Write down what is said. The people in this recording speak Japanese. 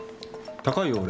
高いよ俺。